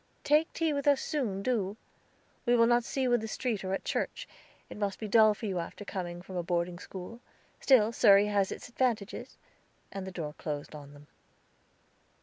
"Take tea with us soon, do. We do not see you in the street or at church. It must be dull for you after coming from a boarding school. Still, Surrey has its advantages." And the doors closed on them.